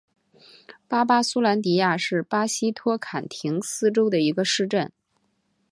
巴巴苏兰迪亚是巴西托坎廷斯州的一个市镇。